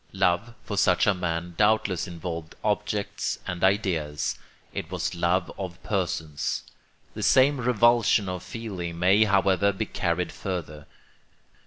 Love, for such a man, doubtless involved objects and ideas: it was love of persons. The same revulsion of feeling may, however, be carried further.